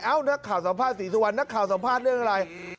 นักข่าวสัมภาษณศรีสุวรรณนักข่าวสัมภาษณ์เรื่องอะไร